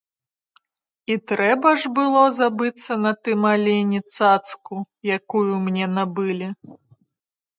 І трэба ж было забыцца на тым алені цацку, якую мне набылі.